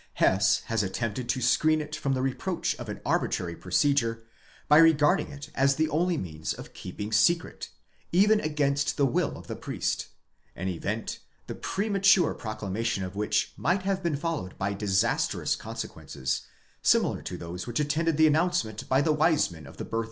Hess has attempted to screen it from the reproach of an arbitrary procedure by regarding it as the only means of keep ing secret, even against the al οὐ δὲς pee ἂν ees eee ane of which might have been followed by disastrous consequences, similar to those which attended the announcement by the wise men of the birth of T Olshausen, ut sup.